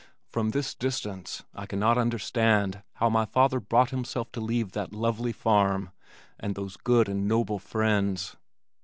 From this distance I cannot understand how my father brought himself to leave that lovely farm and those good and noble friends.